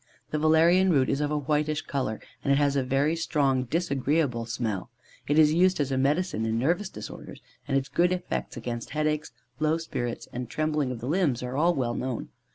The valerian root is of a whitish colour, and it has a very strong and disagreeable smell: it is used by us as a medicine in nervous disorders, and its good effects against headaches, low spirits, and trembling of the limbs are well known.